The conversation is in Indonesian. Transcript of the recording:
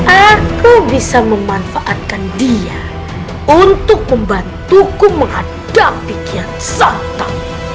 aku bisa memanfaatkan dia untuk membantuku menghadapi kian santam